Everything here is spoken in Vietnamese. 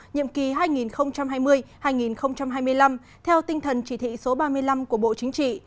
nhiệm kỳ hai nghìn hai mươi hai nghìn hai mươi năm theo tinh thần chỉ thị số ba mươi năm của bộ chính trị